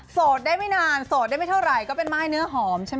สดได้ไม่นานโสดได้ไม่เท่าไหร่ก็เป็นม่ายเนื้อหอมใช่ไหม